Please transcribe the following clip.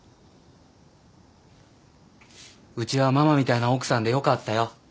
うちはママみたいな奥さんでよかったよ。